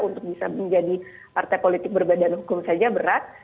untuk bisa menjadi partai politik berbadan hukum saja berat